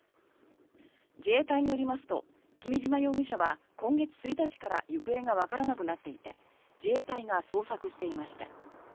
自衛隊によりますと君島容疑者は今月１日から行方がわからなくなっていて自衛隊が捜索していました。